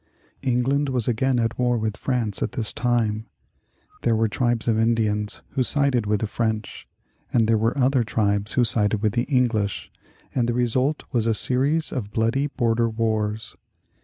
England was again at war with France at this time. There were tribes of Indians who sided with the French, and there were other tribes who sided with the English, and the result was a series of bloody border wars.